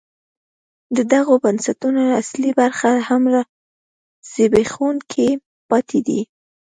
د دغو بنسټونو اصلي برخې لا هم زبېښونکي پاتې دي.